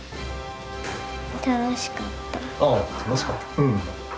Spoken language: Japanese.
ああ楽しかった。